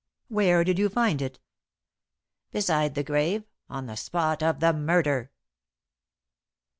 "Where did you find it?" "Beside the grave on the spot of the murder."